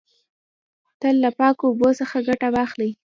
تل له پاکو اوبو څخه ګټه واخلی.